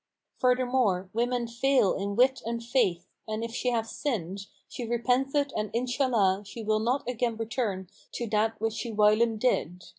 Furthermore, women fail in wit and Faith,[FN#467] and if she have sinned, she repenteth and Inshallah she will not again return to that which she whilome did.